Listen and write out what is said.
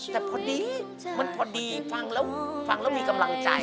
แต่พอดีมันพอดีฟังแล้วมีกำลังใจ